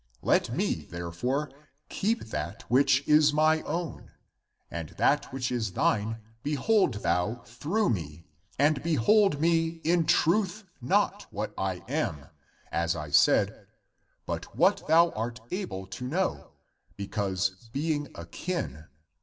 Let me, therefore, keep that which is my own, and that which is thine behold thou through me, and be hold me in truth not I am, as I said, but what thou art able to know, because being akin.